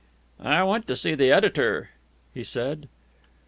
"I want to see the editor," he said.